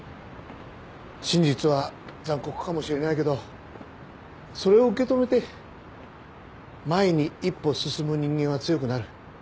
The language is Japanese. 真実は残酷かもしれないけどそれを受け止めて前に一歩進む人間は強くなる。